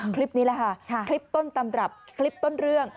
คลิปนี้แหละค่ะคลิปต้นตำรับคลิปต้นเรื่อง